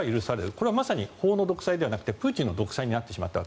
これはまさに法の独裁ではなくてプーチンの独裁になってしまった。